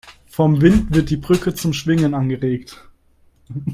Vom Wind wird die Brücke zum Schwingen angeregt.